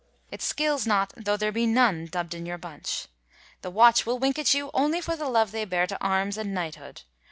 It skills not, though there be none dubbed in your bunch ; the watch will wink at you, only for the love they bear to arms and knighthood.